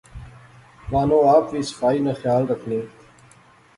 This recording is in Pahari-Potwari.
بانو آپ وی صفائی نا خیال رخنی